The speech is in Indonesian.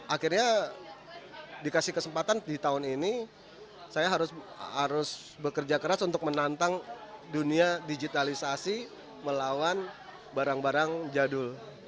akhirnya dikasih kesempatan di tahun ini saya harus bekerja keras untuk menantang dunia digitalisasi melawan barang barang jadul